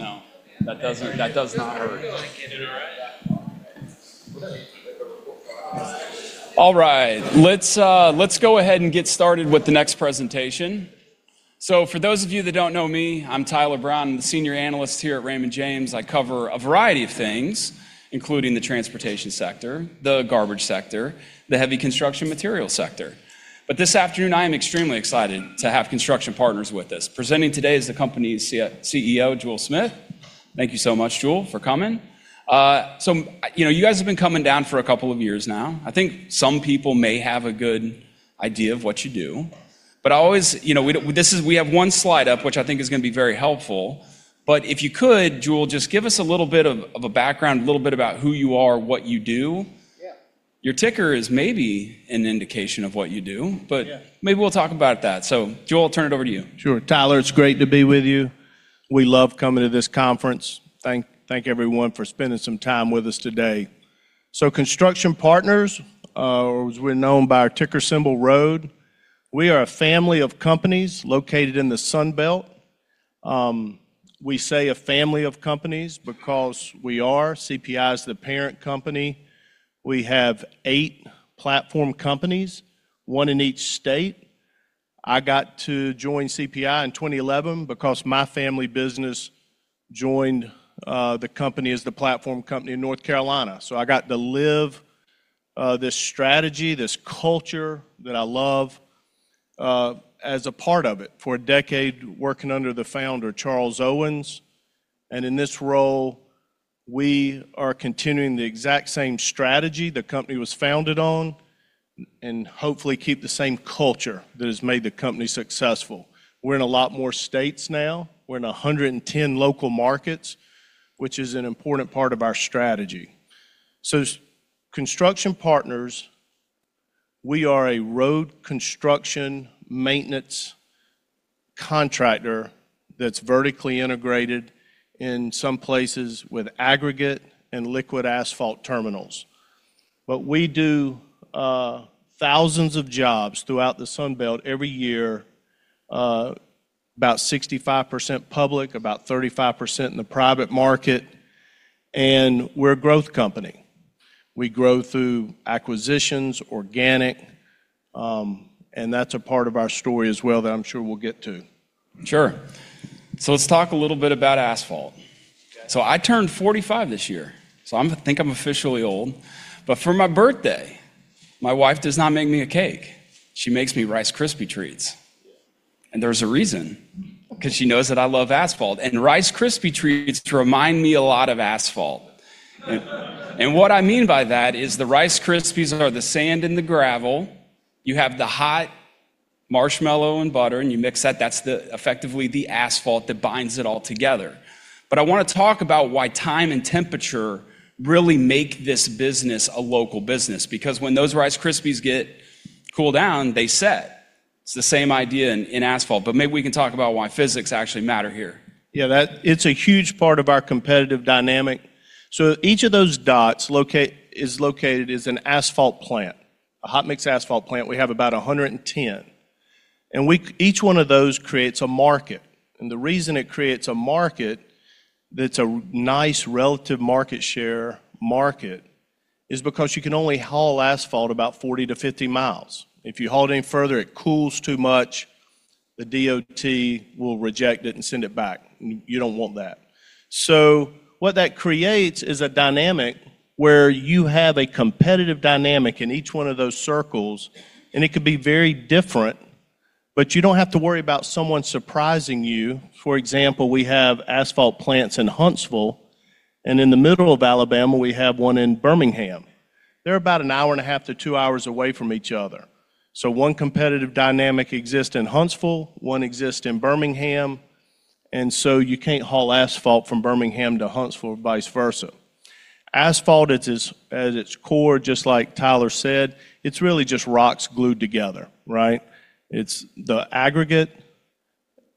I know. That does not hurt. All right. Let's go ahead and get started with the next presentation. For those of you that don't know me, I'm Tyler Brown. I'm the senior analyst here at Raymond James. I cover a variety of things, including the transportation sector, the garbage sector, the heavy construction material sector. This afternoon, I am extremely excited to have Construction Partners with us. Presenting today is the company's CEO, Jule Smith. Thank you so much, Jule, for coming. You know, you guys have been coming down for a couple of years now. I think some people may have a good idea of what you do, but we have 1 slide up, which I think is going to be very helpful. If you could, Jule, just give us a little bit of a background, a little bit about who you are, what you do? Yeah. Your ticker is maybe an indication of what you do. Yeah. maybe we'll talk about that. Jule, I'll turn it over to you. Sure. Tyler, it's great to be with you. We love coming to this conference. Thank everyone for spending some time with us today. Construction Partners, or as we're known by our ticker symbol, ROAD. We are a family of companies located in the Sun Belt. We say a family of companies because we are. CPI is the parent company. We have eight platform companies, one in each state. I got to join CPI in 2011 because my family business joined the company as the platform company in North Carolina. I got to live this strategy, this culture that I love as a part of it for a decade, working under the founder, Charles Owens. In this role, we are continuing the exact same strategy the company was founded on and hopefully keep the same culture that has made the company successful. We're in a lot more states now. We're in 110 local markets, which is an important part of our strategy. As Construction Partners, we are a road construction maintenance contractor that's vertically integrated in some places with aggregate and liquid asphalt terminals. We do thousands of jobs throughout the Sun Belt every year, about 65% public, about 35% in the private market, and we're a growth company. We grow through acquisitions, organic, and that's a part of our story as well that I'm sure we'll get to. Sure. Let's talk a little bit about asphalt. Okay. I turned 45 this year, I think I'm officially old. For my birthday, my wife does not make me a cake. She makes me Rice Krispies Treats. Yeah. And there's a reason- Okay... 'cause she knows that I love asphalt, and Rice Krispies Treats remind me a lot of asphalt. What I mean by that is the Rice Krispies are the sand and the gravel. You have the hot marshmallow and butter, and you mix that. That's effectively the asphalt that binds it all together. I wanna talk about why time and temperature really make this business a local business, because when those Rice Krispies get cooled down, they set. It's the same idea in asphalt. Maybe we can talk about why physics actually matter here. It's a huge part of our competitive dynamic. Each of those dots is located as an asphalt plant, a hot mix asphalt plant. We have about 110. Each one of those creates a market, and the reason it creates a market that's a nice relative market share market is because you can only haul asphalt about 40 to 50 miles. If you haul it any further, it cools too much. The DOT will reject it and send it back. You don't want that. What that creates is a dynamic where you have a competitive dynamic in each one of those circles, and it could be very different, but you don't have to worry about someone surprising you. For example, we have asphalt plants in Huntsville, and in the middle of Alabama, we have one in Birmingham. They're about 1.5 hours to 2 hours away from each other. One competitive dynamic exists in Huntsville, one exists in Birmingham, you can't haul asphalt from Birmingham to Huntsville or vice versa. Asphalt at its core, just like Tyler said, it's really just rocks glued together, right? It's the aggregate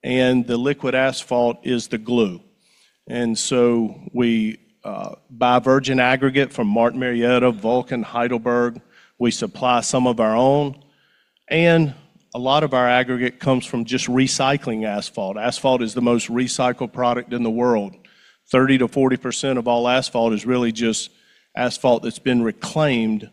and the liquid asphalt is the glue. we buy virgin aggregate from Martin Marietta, Vulcan, Heidelberg. We supply some of our own, and a lot of our aggregate comes from just recycling asphalt. Asphalt is the most recycled product in the world. 30%-40% of all asphalt is really just asphalt that's been reclaimed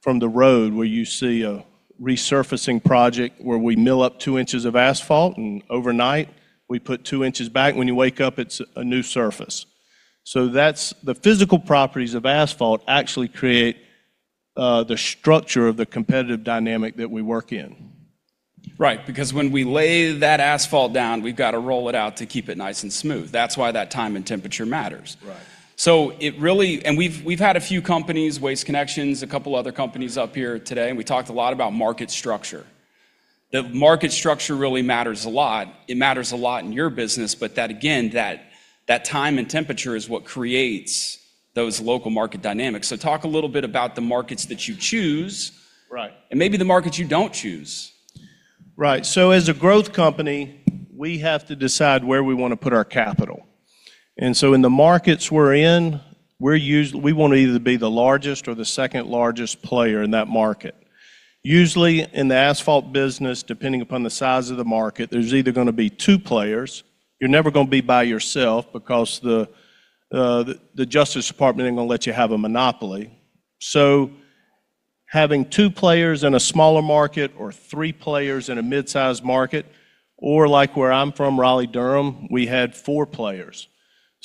from the road where you see a resurfacing project where we mill up 2 inches of asphalt and overnight we put 2 inches back. When you wake up, it's a new surface. The physical properties of asphalt actually create the structure of the competitive dynamic that we work in. Right, because when we lay that asphalt down, we've got to roll it out to keep it nice and smooth. That's why that time and temperature matters. Right. We've had a few companies, Waste Connections, a couple other companies up here today, and we talked a lot about market structure. The market structure really matters a lot. It matters a lot in your business, but that again, that time and temperature is what creates those local market dynamics. Talk a little bit about the markets that you choose. Right Maybe the markets you don't choose. Right. As a growth company, we have to decide where we wanna put our capital. In the markets we're in we wanna either be the largest or the second-largest player in that market. Usually, in the asphalt business, depending upon the size of the market, there's either gonna be 2 players. You're never gonna be by yourself because the Justice Department ain't gonna let you have a monopoly. Having 2 players in a smaller market or 3 players in a mid-size market, or like where I'm from, Raleigh-Durham, we had 4 players,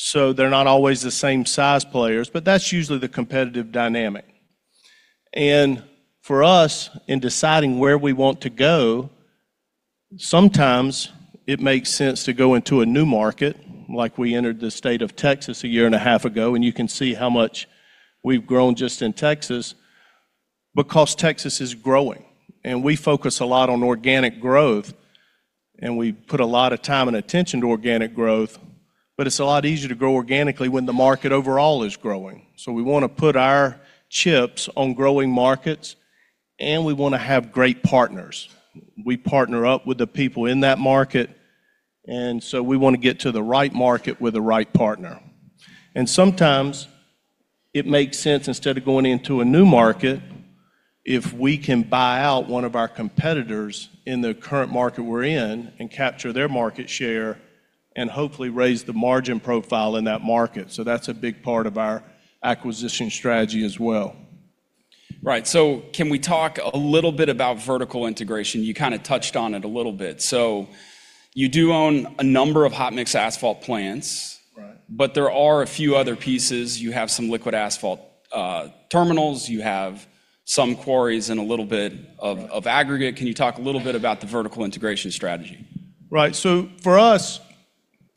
so they're not always the same size players, but that's usually the competitive dynamic. For us, in deciding where we want to go, sometimes it makes sense to go into a new market, like we entered the state of Texas a year and a half ago. You can see how much we've grown just in Texas because Texas is growing. We focus a lot on organic growth, and we put a lot of time and attention to organic growth. It's a lot easier to grow organically when the market overall is growing. We wanna put our chips on growing markets, and we wanna have great partners. We partner up with the people in that market. We wanna get to the right market with the right partner. Sometimes it makes sense, instead of going into a new market, if we can buy out one of our competitors in the current market we're in and capture their market share and hopefully raise the margin profile in that market. That's a big part of our acquisition strategy as well. Right. Can we talk a little bit about vertical integration? You kind of touched on it a little bit. You do own a number of hot mix asphalt plants. Right. There are a few other pieces. You have some liquid asphalt terminals. You have some quarries. Right of aggregate. Can you talk a little bit about the vertical integration strategy? Right. For us,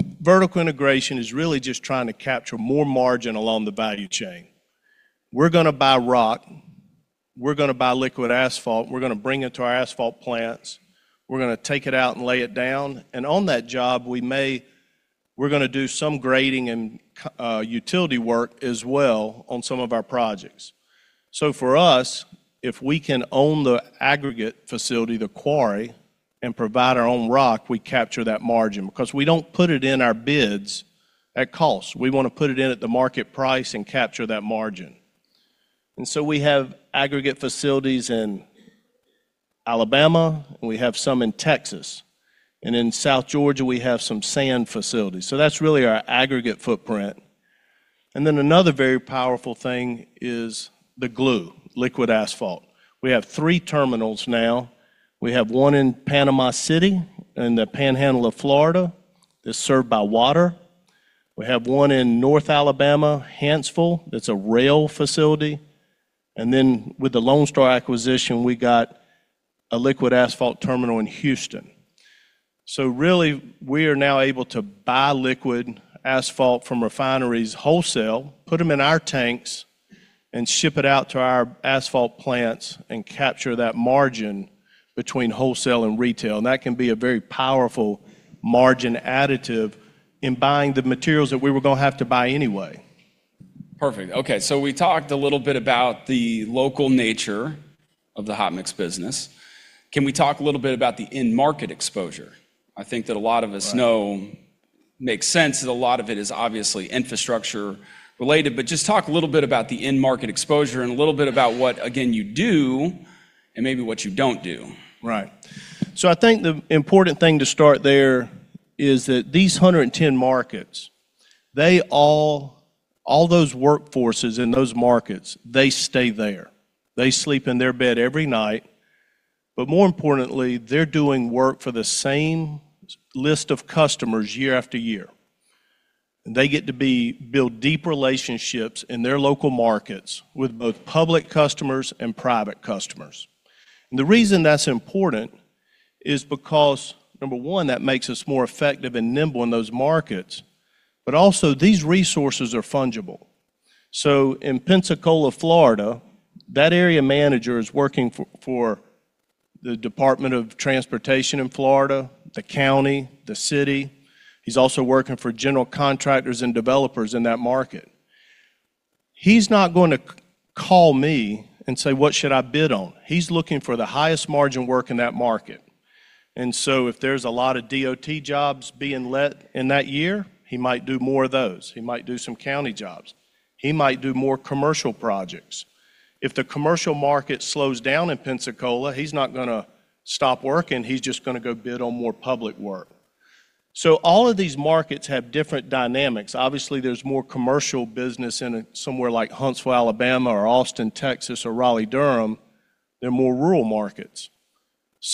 vertical integration is really just trying to capture more margin along the value chain. We're gonna buy rock. We're gonna buy liquid asphalt. We're gonna bring it to our asphalt plants. We're gonna take it out and lay it down. On that job, we're gonna do some grading and utility work as well on some of our projects. For us, if we can own the aggregate facility, the quarry, and provide our own rock, we capture that margin, because we don't put it in our bids at cost. We wanna put it in at the market price and capture that margin. We have aggregate facilities in Alabama, and we have some in Texas. In South Georgia, we have some sand facilities. That's really our aggregate footprint. Another very powerful thing is the glue, liquid asphalt. We have three terminals now. We have one in Panama City in the Panhandle of Florida that's served by water. We have one in North Alabama, Hanceville, that's a rail facility. With the Lone Star acquisition, we got a liquid asphalt terminal in Houston. Really, we are now able to buy liquid asphalt from refineries wholesale, put 'em in our tanks, and ship it out to our asphalt plants and capture that margin between wholesale and retail. That can be a very powerful margin additive in buying the materials that we were gonna have to buy anyway. Perfect. Okay. We talked a little bit about the local nature of the hot mix business. Can we talk a little bit about the end market exposure? I think that a lot of us know. Right... makes sense that a lot of it is obviously infrastructure related. Just talk a little bit about the end market exposure and a little bit about what, again, you do and maybe what you don't do. I think the important thing to start there is that these 110 markets, they all those workforces in those markets, they stay there. They sleep in their bed every night. More importantly, they're doing work for the same list of customers year after year. They get to build deep relationships in their local markets with both public customers and private customers. The reason that's important is because, number one, that makes us more effective and nimble in those markets, but also these resources are fungible. In Pensacola, Florida, that area manager is working for the Florida Department of Transportation, the county, the city. He's also working for general contractors and developers in that market. He's not going to call me and say, "What should I bid on?" He's looking for the highest margin work in that market. If there's a lot of DOT jobs being let in that year, he might do more of those. He might do some county jobs. He might do more commercial projects. If the commercial market slows down in Pensacola, he's not gonna stop working. He's just gonna go bid on more public work. All of these markets have different dynamics. Obviously, there's more commercial business in a somewhere like Huntsville, Alabama, or Austin, Texas, or Raleigh-Durham. They're more rural markets.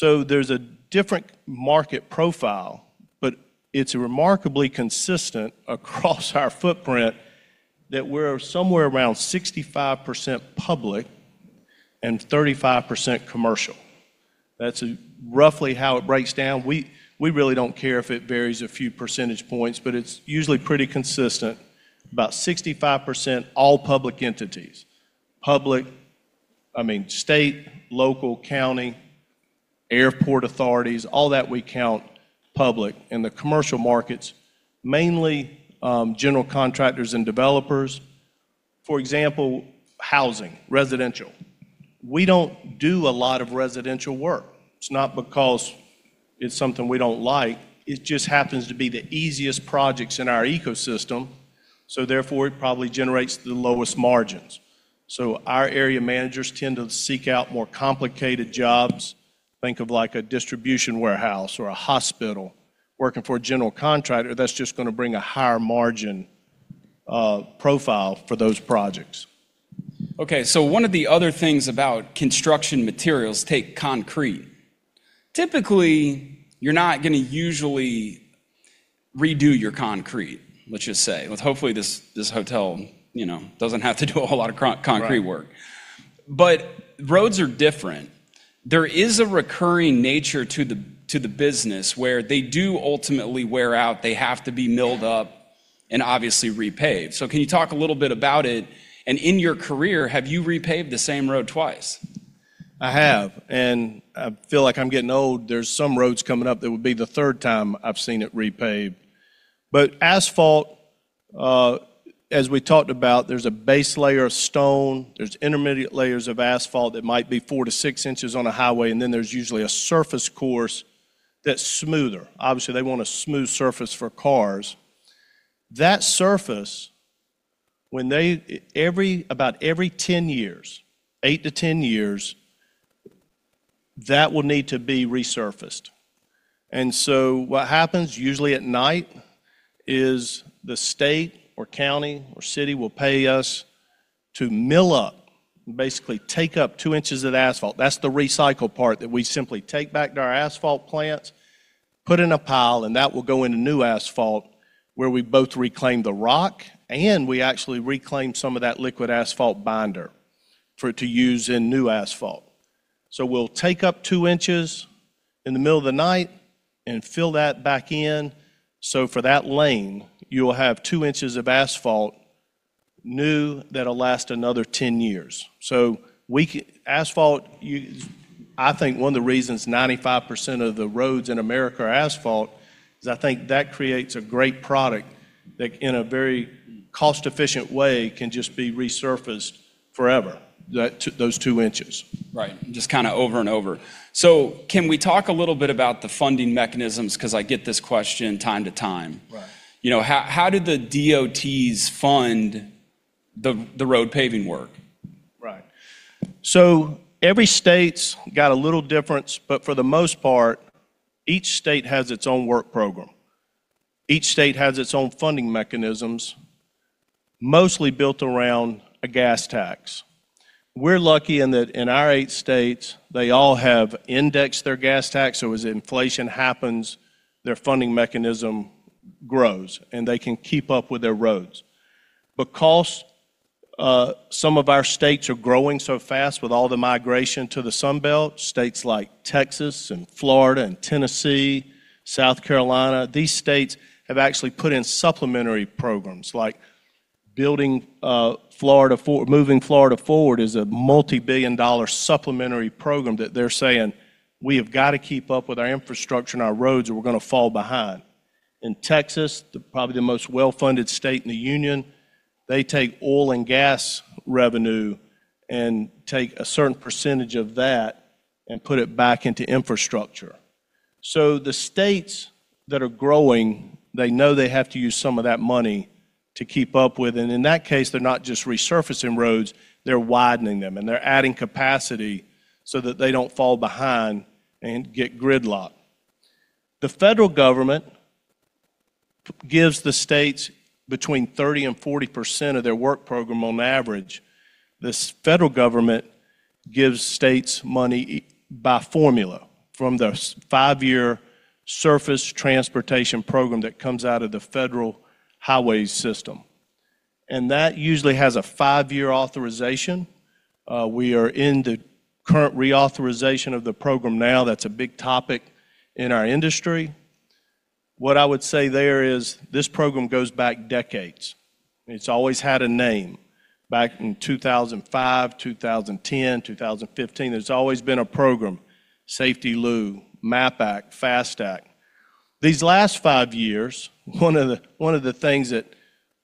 There's a different market profile, but it's remarkably consistent across our footprint that we're somewhere around 65% public and 35% commercial. That's roughly how it breaks down. We really don't care if it varies a few percentage points, but it's usually pretty consistent. About 65% all public entities. Public, I mean, state, local, county, airport authorities, all that we count public. In the commercial markets, mainly, general contractors and developers. For example, housing, residential. We don't do a lot of residential work. It's not because it's something we don't like. It just happens to be the easiest projects in our ecosystem, so therefore it probably generates the lowest margins. Our area managers tend to seek out more complicated jobs. Think of like a distribution warehouse or a hospital working for a general contractor that's just gonna bring a higher margin profile for those projects. Okay. One of the other things about construction materials, take concrete. Typically, you're not gonna usually redo your concrete, let's just say. Hopefully this hotel, you know, doesn't have to do a lot of concrete work. Right. Roads are different. There is a recurring nature to the business where they do ultimately wear out, they have to be milled up and obviously repaved. Can you talk a little bit about it? In your career, have you repaved the same road twice? I have. I feel like I'm getting old. There's some roads coming up that would be the third time I've seen it repaved. Asphalt, as we talked about, there's a base layer of stone, there's intermediate layers of asphalt that might be 4 to 6 inches on a highway, and then there's usually a surface course that's smoother. Obviously, they want a smooth surface for cars. That surface, when they every, about every 10 years, 8 to 10 years, that will need to be resurfaced. What happens, usually at night, is the state or county or city will pay us to mill up, basically take up 2 inches of asphalt. That's the recycle part that we simply take back to our asphalt plants, put in a pile. That will go into new asphalt where we both reclaim the rock, and we actually reclaim some of that liquid asphalt binder for it to use in new asphalt. We'll take up two inches in the middle of the night and fill that back in. For that lane, you'll have two inches of asphalt, new, that'll last another 10 years. I think one of the reasons 95% of the roads in America are asphalt is I think that creates a great product that in a very cost-efficient way can just be resurfaced forever, that those two inches. Right. Just kinda over and over. Can we talk a little bit about the funding mechanisms? 'Cause I get this question time to time. Right. You know, how did the DOTs fund the road paving work? Right. Every state's got a little difference, but for the most part, each state has its own work program. Each state has its own funding mechanisms, mostly built around a gas tax. We're lucky in that in our eight states, they all have indexed their gas tax, so as inflation happens, their funding mechanism grows, and they can keep up with their roads. Some of our states are growing so fast with all the migration to the Sun Belt, states like Texas and Florida and Tennessee, South Carolina, these states have actually put in supplementary programs like Moving Florida Forward is a multi-billion dollar supplementary program that they're saying, "We have got to keep up with our infrastructure and our roads, or we're gonna fall behind." In Texas, the probably the most well-funded state in the union, they take oil and gas revenue and take a certain percentage of that and put it back into infrastructure. The states that are growing, they know they have to use some of that money to keep up with it. In that case, they're not just resurfacing roads, they're widening them, and they're adding capacity so that they don't fall behind and get gridlock. The federal government gives the states between 30% and 40% of their work program on average. The federal government gives states money by formula from the 5-year Surface Transportation program that comes out of the federal highway system. That usually has a 5-year authorization. We are in the current reauthorization of the program now. That's a big topic in our industry. What I would say there is this program goes back decades. It's always had a name. Back in 2005, 2010, 2015, there's always been a program, SAFETEA-LU, MAP-21, FAST Act. These last 5 years, one of the, one of the things that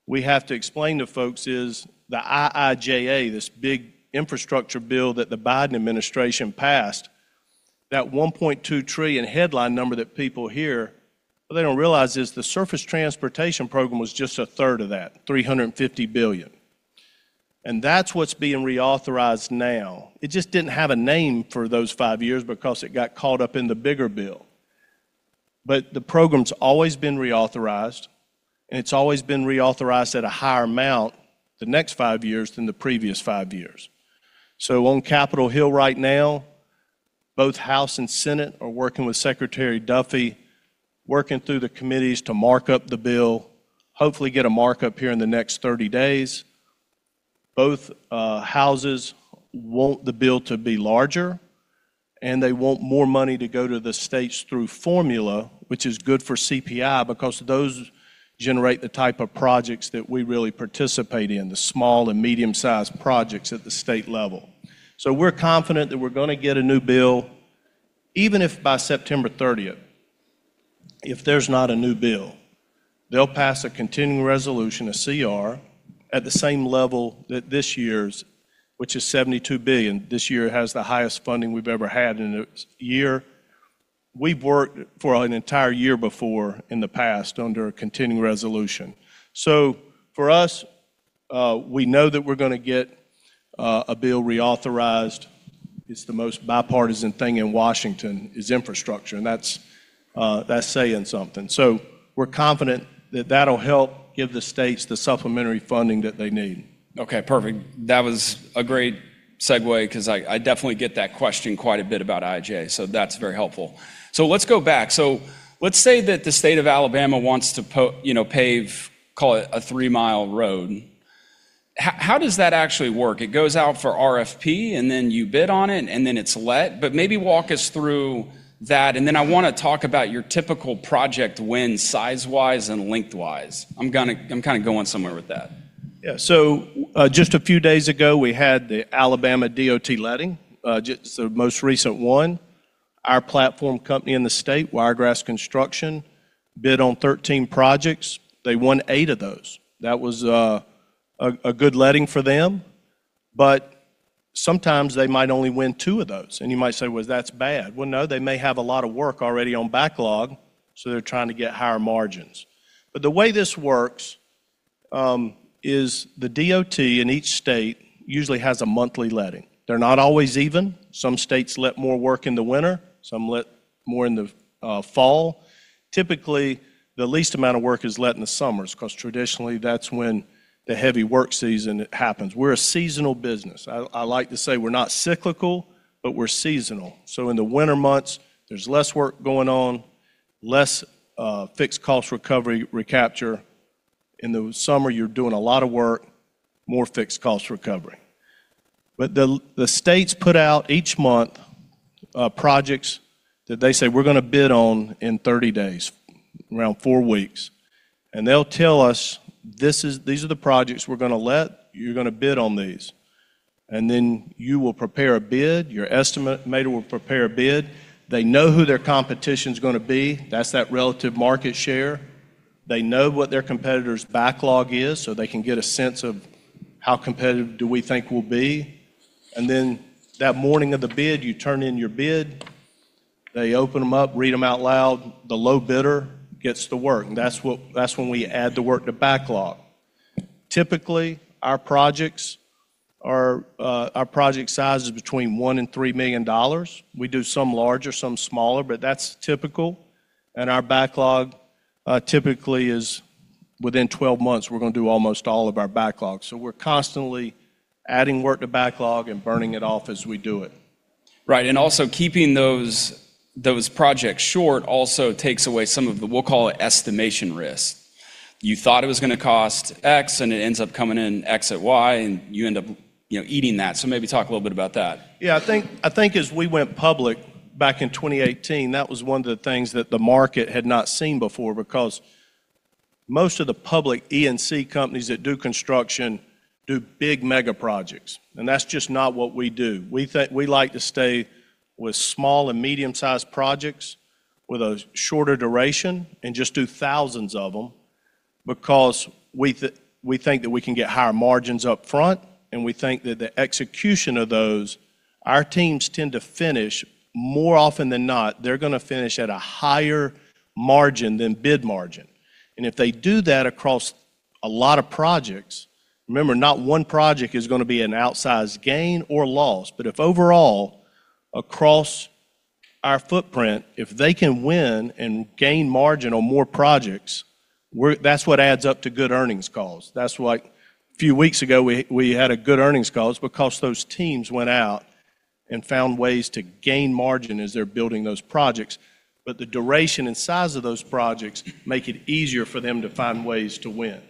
we have to explain to folks is the IIJA, this big infrastructure bill that the Biden administration passed, that $1.2 trillion headline number that people hear, what they don't realize is the Surface Transportation program was just a third of that, $350 billion. That's what's being reauthorized now. It just didn't have a name for those 5 years because it got caught up in the bigger bill. The program's always been reauthorized, and it's always been reauthorized at a higher amount the next 5 years than the previous 5 years. On Capitol Hill right now, both House and Senate are working with Secretary Duffy, working through the committees to mark up the bill, hopefully get a mark up here in the next 30 days. Both houses want the bill to be larger, and they want more money to go to the states through formula, which is good for CPI because those generate the type of projects that we really participate in, the small and medium-sized projects at the state level. We're confident that we're gonna get a new bill, even if by September 30th. If there's not a new bill, they'll pass a continuing resolution, a CR, at the same level that this year's, which is $72 billion. This year has the highest funding we've ever had in a year. We've worked for an entire year before in the past under a continuing resolution. For us, we know that we're gonna get a bill reauthorized. It's the most bipartisan thing in Washington is infrastructure, and that's saying something. We're confident that that'll help give the states the supplementary funding that they need. Okay, perfect. That was a great segue 'cause I definitely get that question quite a bit about IJ, so that's very helpful. Let's go back. Let's say that the state of Alabama wants to you know, pave, call it a three-mile road. How does that actually work? It goes out for RFP, and then you bid on it, and then it's let. Maybe walk us through that, and then I wanna talk about your typical project win size-wise and length-wise. I'm kinda going somewhere with that. Just a few days ago, we had the Alabama DOT letting, just the most recent one. Our platform company in the state, Wiregrass Construction, bid on 13 projects. They won 8 of those. That was a good letting for them. Sometimes they might only win 2 of those, and you might say, "Well, that's bad." Well, no, they may have a lot of work already on backlog. They're trying to get higher margins. The way this works is the DOT in each state usually has a monthly letting. They're not always even. Some states let more work in the winter. Some let more in the fall. Typically, the least amount of work is let in the summers 'cause traditionally that's when the heavy work season happens. We're a seasonal business. I like to say we're not cyclical, but we're seasonal. In the winter months, there's less work going on, less fixed cost recovery recapture. In the summer, you're doing a lot of work, more fixed cost recovery. The states put out each month projects that they say we're gonna bid on in 30 days, around 4 weeks, and they'll tell us, "These are the projects we're gonna let. You're gonna bid on these." You will prepare a bid. Your estimator will prepare a bid. They know who their competition's gonna be. That's that relative market share. They know what their competitor's backlog is, they can get a sense of how competitive do we think we'll be. That morning of the bid, you turn in your bid. They open them up, read them out loud. The low bidder gets to work, that's when we add the work to backlog. Typically, our projects are, our project size is between $1 million and $3 million. We do some larger, some smaller, but that's typical. Our backlog, typically is within 12 months, we're gonna do almost all of our backlog. We're constantly adding work to backlog and burning it off as we do it. Right. Also keeping those projects short also takes away some of the, we'll call it estimation risk. You thought it was gonna cost X, and it ends up coming in X at Y, and you end up, you know, eating that. Maybe talk a little bit about that. I think as we went public back in 2018, that was one of the things that the market had not seen before because most of the public E&C companies that do construction do big mega projects. That's just not what we do. We like to stay with small and medium-sized projects with a shorter duration and just do thousands of them because we think that we can get higher margins up front. We think that the execution of those, our teams tend to finish, more often than not, they're gonna finish at a higher margin than bid margin. If they do that across a lot of projects, remember, not one project is gonna be an outsized gain or loss. If overall across our footprint, if they can win and gain margin on more projects, that's what adds up to good earnings calls. That's why a few weeks ago, we had a good earnings call. It's because those teams went out and found ways to gain margin as they're building those projects. The duration and size of those projects make it easier for them to find ways to win.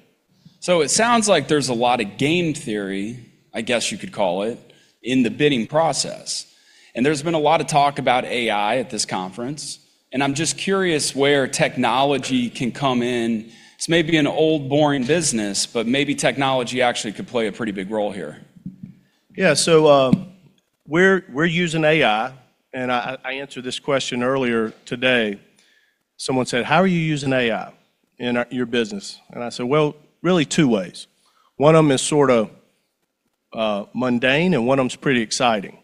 It sounds like there's a lot of game theory, I guess you could call it, in the bidding process, and there's been a lot of talk about AI at this conference. I'm just curious where technology can come in. It's maybe an old, boring business, but maybe technology actually could play a pretty big role here. Yeah. We're using AI, and I answered this question earlier today. Someone said, "How are you using AI in your business?" I said, "Well, really two ways. One of them is sorta mundane, and one of them is pretty exciting."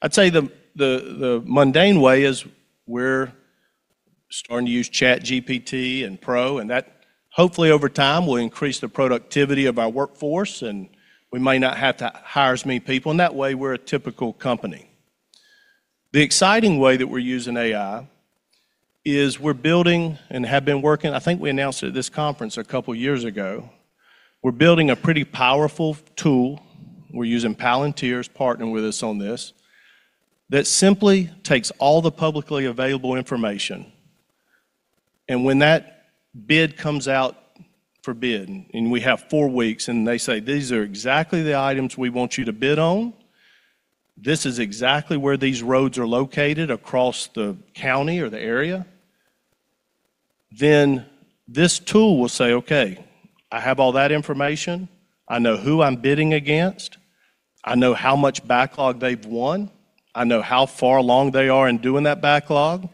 I'd say the mundane way is we're starting to use ChatGPT and Pro, and that hopefully over time will increase the productivity of our workforce, and we might not have to hire as many people, and that way we're a typical company. The exciting way that we're using AI is we're building and have been working, I think we announced it at this conference a couple years ago, we're building a pretty powerful tool, we're using Palantir is partnering with us on this, that simply takes all the publicly available information. When that bid comes out for bid, and we have four weeks, and they say, "These are exactly the items we want you to bid on. This is exactly where these roads are located across the county or the area," then this tool will say, "Okay, I have all that information. I know who I'm bidding against. I know how much backlog they've won, I know how far along they are in doing that backlog,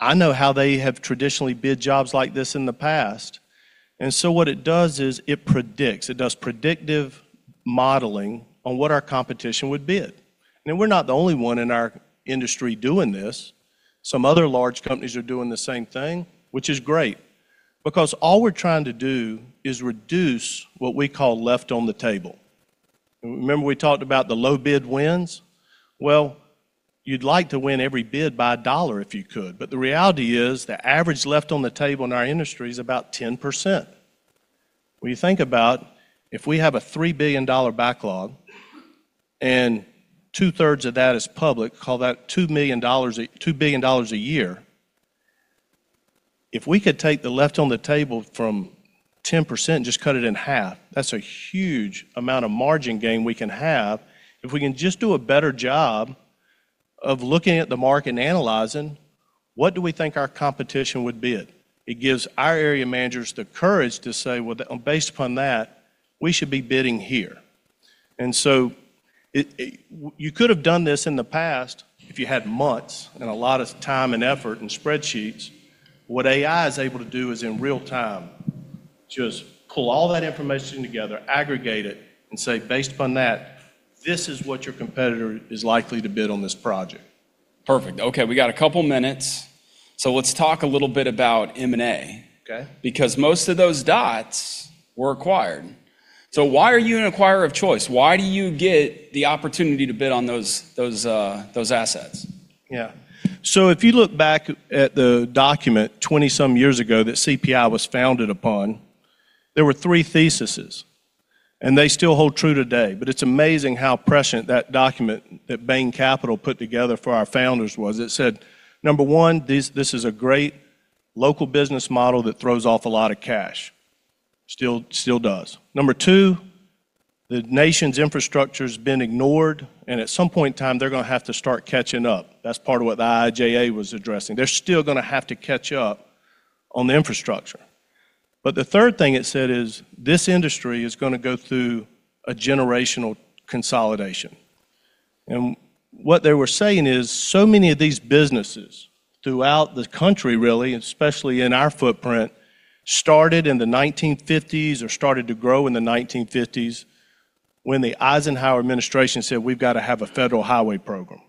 I know how they have traditionally bid jobs like this in the past." What it does is it predicts. It does predictive modeling on what our competition would bid. We're not the only one in our industry doing this. Some other large companies are doing the same thing, which is great because all we're trying to do is reduce what we call left on the table. Remember we talked about the low bid wins? You'd like to win every bid by $1 if you could, but the reality is the average left on the table in our industry is about 10%. If we have a $3 billion backlog and two-thirds of that is public, call that $2 billion a year. If we could take the left on the table from 10% and just cut it in half, that's a huge amount of margin gain we can have if we can just do a better job of looking at the market and analyzing what do we think our competition would bid. It gives our area managers the courage to say, "Well, based upon that, we should be bidding here." It You could have done this in the past if you had months and a lot of time and effort and spreadsheets. What AI is able to do is in real time just pull all that information together, aggregate it, and say, "Based upon that, this is what your competitor is likely to bid on this project. Perfect. Okay, we got a couple minutes, so let's talk a little bit about M&A. Okay. Most of those DOTs were acquired. Why are you an acquirer of choice? Why do you get the opportunity to bid on those assets? If you look back at the document 20-some years ago that CPI was founded upon, there were three theses, and they still hold true today, but it's amazing how prescient that document that Bain Capital put together for our founders was. It said, number one, this is a great local business model that throws off a lot of cash. Still does. Number two, the nation's infrastructure's been ignored, and at some point in time, they're gonna have to start catching up. That's part of what the IIJA was addressing. They're still gonna have to catch up on the infrastructure. The third thing it said is this industry is gonna go through a generational consolidation. What they were saying is so many of these businesses throughout the country really, especially in our footprint, started in the 1950s or started to grow in the 1950s when the Eisenhower administration said we've got to have a federal highway program.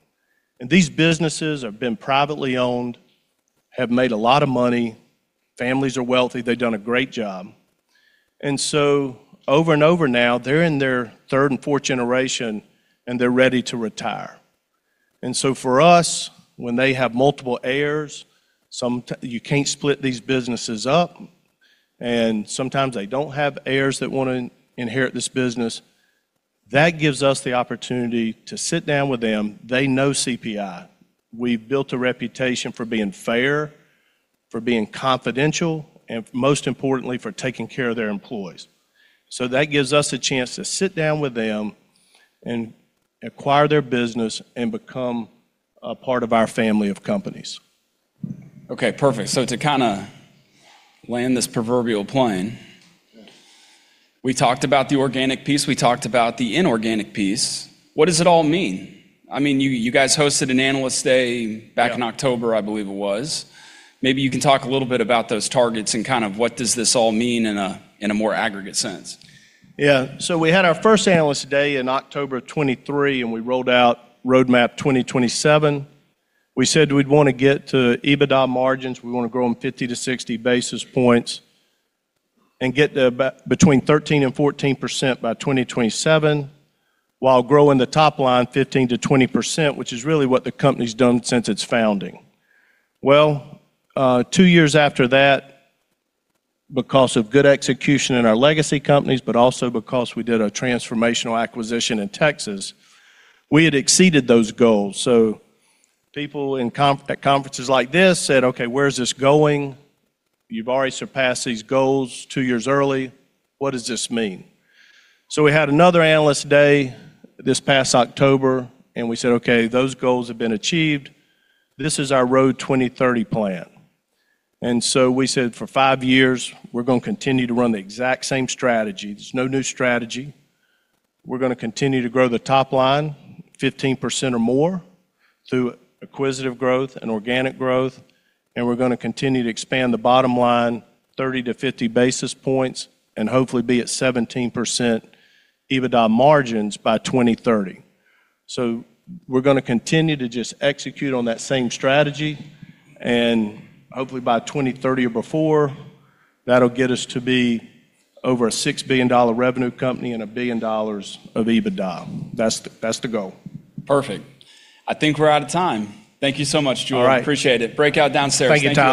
These businesses have been privately owned, have made a lot of money, families are wealthy, they've done a great job. Over and over now, they're in their third and fourth generation, and they're ready to retire. For us, when they have multiple heirs, sometimes you can't split these businesses up, and sometimes they don't have heirs that wanna inherit this business. That gives us the opportunity to sit down with them. They know CPI. We've built a reputation for being fair, for being confidential, and most importantly, for taking care of their employees. That gives us a chance to sit down with them and acquire their business and become a part of our family of companies. Okay, perfect. To kinda land this proverbial plane, we talked about the organic piece, we talked about the inorganic piece. What does it all mean? I mean, you guys hosted an Analyst Day back in October, I believe it was. Maybe you can talk a little bit about those targets and kind of what does this all mean in a, in a more aggregate sense. Yeah. We had our first Analyst Day in October 2023, and we rolled out Roadmap 2027. We said we'd wanna get to EBITDA margins. We wanna grow them 50-60 basis points and get to about between 13% and 14% by 2027, while growing the top line 15%-20%, which is really what the company's done since its founding. Well, 2 years after that, because of good execution in our legacy companies, but also because we did a transformational acquisition in Texas, we had exceeded those goals. People at conferences like this said, "Okay, where's this going? You've already surpassed these goals 2 years early. What does this mean?" We had another Analyst Day this past October, and we said, "Okay, those goals have been achieved. This is our Road 2030 plan." We said for 5 years, we're gonna continue to run the exact same strategy. There's no new strategy. We're gonna continue to grow the top line 15% or more through acquisitive growth and organic growth, we're gonna continue to expand the bottom line 30 to 50 basis points and hopefully be at 17% EBITDA margins by 2030. We're gonna continue to just execute on that same strategy, hopefully by 2030 or before, that'll get us to be over a $6 billion dollar revenue company and $1 billion of EBITDA. That's the goal. Perfect. I think we're out of time. Thank you so much, Julian. All right. Appreciate it. Break out downstairs. Thank you, Tyler.